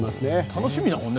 楽しみだもんね。